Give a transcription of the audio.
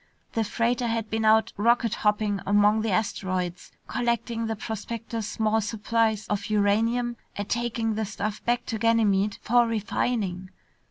The freighter had been out rocket hopping among the asteroids, collecting the prospectors' small supplies of uranium and taking the stuff back to Ganymede for refining.